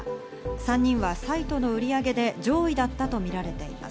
３人はサイトの売り上げで上位だったとみられています。